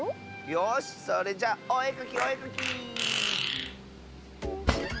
よしそれじゃおえかきおえかき！